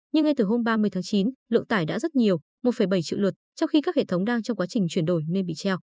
nhưng ngay từ hôm ba mươi tháng chín lượng tải đã rất nhiều một bảy triệu lượt trong khi các hệ thống đang trong quá trình chuyển đổi nên bị treo